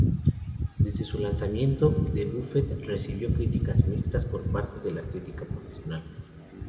Desde su lanzamiento, "The Buffet" recibió críticas mixtas por parte de la crítica profesional.